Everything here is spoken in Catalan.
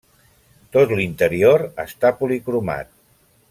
Tot l'interior està policromat.